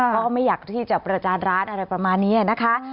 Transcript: ก็ไม่อยากที่จะประจานร้านอะไรประมาณนี้นะคะ